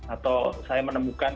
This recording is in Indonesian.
atau saya menemukan